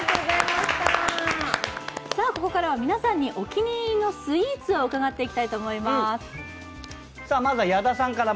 ここからは皆さんにお気に入りのスイーツを伺っていきたいと思います。